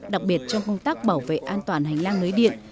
đặc biệt trong công tác bảo vệ an toàn hành lang lưới điện